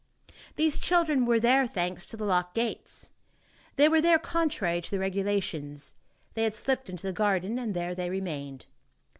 These children were there, thanks to the locked gates. They were there contrary to the regulations. They had slipped into the garden and there they remained.